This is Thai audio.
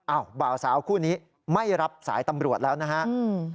บ่าวสาวคู่นี้ไม่รับสายตำรวจแล้วนะฮะอืม